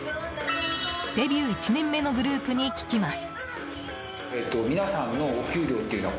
デビュー１年目のグループに聞きます。